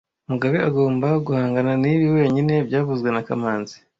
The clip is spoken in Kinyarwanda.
T Mugabe agomba guhangana nibi wenyine byavuzwe na kamanzi